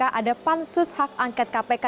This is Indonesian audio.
ada pansus hak angket kpk